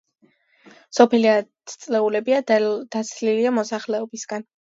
სოფელი ათწლეულებია, დაცლილია მოსახლეობისგან.